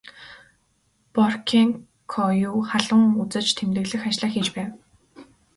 Боркенкою халуун үзэж тэмдэглэх ажлаа хийж байв.